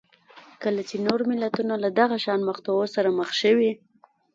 کله چې نور ملتونه له دغه شان مقطعو سره مخ شوي